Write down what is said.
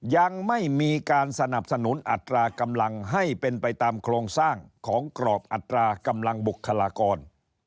ยังไม่มีการสนับสนุนอัตรากำลังให้เป็นไปตามโครงสร้างของกรอบอัตรากำลังบุคลากร